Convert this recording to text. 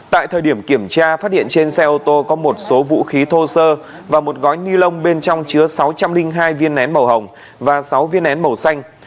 tại thời điểm kiểm tra phát hiện trên xe ô tô có một số vũ khí thô sơ và một gói ni lông bên trong chứa sáu trăm linh hai viên nén màu hồng và sáu viên nén màu xanh